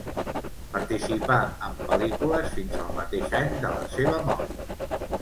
Participà en pel·lícules fins al mateix any de la seva mort.